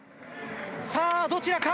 さあどちらか？